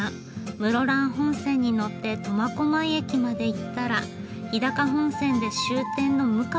室蘭本線に乗って苫小牧駅まで行ったら日高本線で終点の鵡川へ。